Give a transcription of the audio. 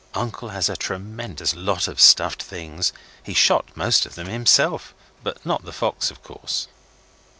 Uncle has a tremendous lot of stuffed things. He shot most of them himself but not the fox, of course.